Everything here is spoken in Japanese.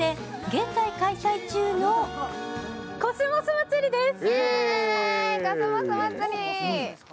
現在開催中のコスモス祭りです。